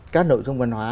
các nội dung văn hóa